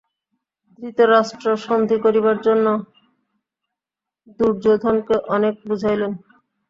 ধৃতরাষ্ট্র সন্ধি করিবার জন্য দুর্যোধনকে অনেক বুঝাইলেন।